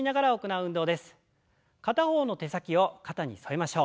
片方の手先を肩に添えましょう。